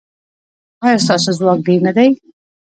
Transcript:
ایا ستاسو ځواک ډیر نه دی؟